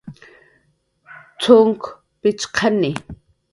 cxunk pichqani